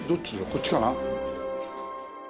こっちかな？